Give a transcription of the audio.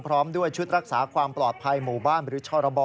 พร้อมด้วยชุดรักษาความปลอดภัยหมู่บ้านหรือชรบ